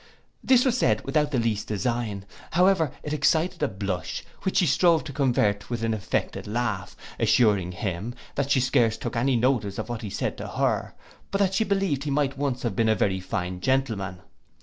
'—This was said without the least design, however it excited a blush, which she strove to cover by an affected laugh, assuring him, that she scarce took any notice of what he said to her; but that she believed he might once have been a very fine gentleman.